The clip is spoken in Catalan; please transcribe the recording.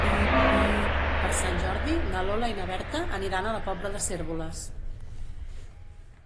Per Sant Jordi na Lola i na Berta aniran a la Pobla de Cérvoles.